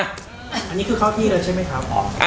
อันนี้คือเข้าที่เลยใช่ไหมครับ